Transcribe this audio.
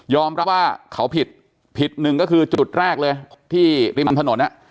รับว่าเขาผิดผิดหนึ่งก็คือจุดแรกเลยที่ริมถนน